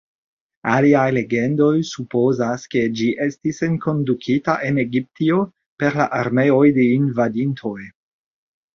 Aliaj legendoj supozas ke ĝi estis enkondukita en Egiptio per la armeoj de invadintoj.